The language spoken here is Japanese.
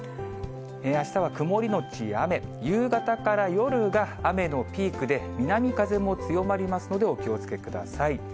あしたは曇りのち雨、夕方から夜が雨のピークで、南風も強まりますので、お気をつけください。